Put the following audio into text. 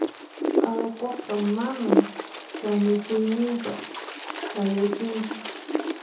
allquqa manan kanikuyninta sayachinchu.